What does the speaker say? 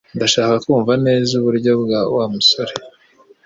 Ndashaka kumva neza uburyo Wa musore